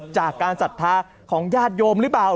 จากการศรัทธาของญาติโยมหรือเปล่า